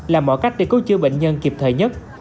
làm mọi cách để cứu chữa bệnh nhân kịp thời nhất